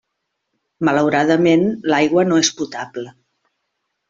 Malauradament, l'aigua no és potable.